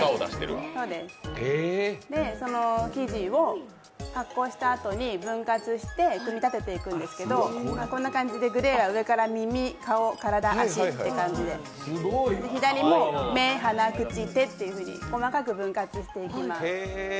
生地を発酵したあとに分割して組み立てていくんですけど、こんな感じで上から耳、顔、足という感じで左も目、鼻、口、手と細かく分割していきます。